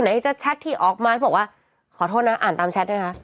ไหนจะแชทที่ออกมาบอกว่าขอโทษนะอ่านตามแชทด้วยคะ